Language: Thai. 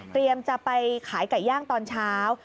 เตรียมจะไปขายไก่ย่างตอนเช้า